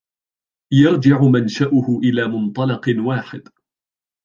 يرجع منشأه إلى منطلق واحد